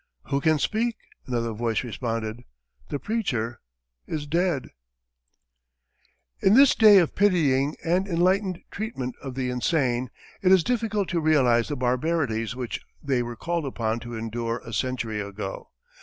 "Who can speak?" another voice responded, "The preacher is dead." In this day of pitying and enlightened treatment of the insane, it is difficult to realize the barbarities which they were called upon to endure a century ago.